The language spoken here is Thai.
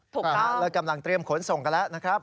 แล้วกำลังเตรียมขนส่งกันแล้วนะครับ